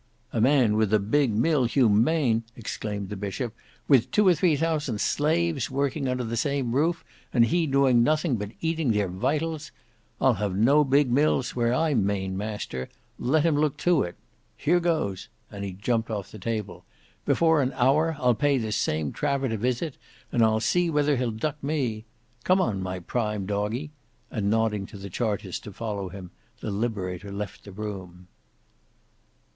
"A man with a big mill humane!" exclaimed the Bishop; "with two or three thousand slaves working under the same roof, and he doing nothing but eating their vitals. I'll have no big mills where I'm main master. Let him look to it. Here goes," and he jumped off the table. "Before an hour I'll pay this same Trafford a visit and I'll see whether he'll duck me. Come on my prime Doggy," and nodding to the Chartist to follow him, the Liberator left the room.